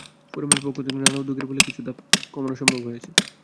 ফোরামের পক্ষ থেকে নানা উদ্যোগের ফলে কিছু ধাপ কমানো সম্ভব হয়েছে।